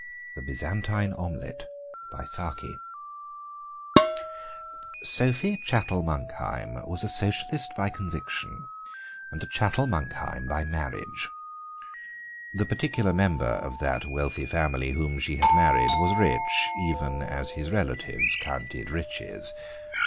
THE BYZANTINE OMELETTE Sophie Chattel Monkheim was a Socialist by conviction and a Chattel Monkheim by marriage. The particular member of that wealthy family whom she had married was rich, even as his relatives counted riches.